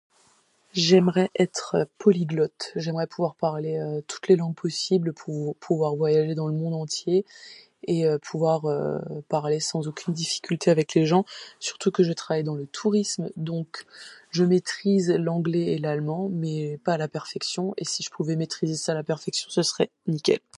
J'aimerais être polyglotte, j'aimerais pouvoir parler toutes les langues possibles pour pouvoir voyager dans le monde entier et pouvoir parler sans aucunes difficultés avec les gens surtout que je travaille dans le tourisme donc je maîtrise l'anglais et l'allemand mais pas à la perfection. Et si je pouvais maîtrisait ça à la perfection ce serait nickel.